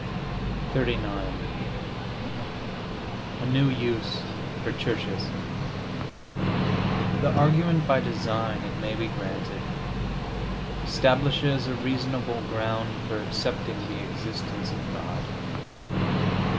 XXXIX A NEW USE FOR CHURCHES The argument by design, it may be granted, establishes a reasonable ground for accepting the existence of God.